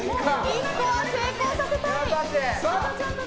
１個は成功させたい。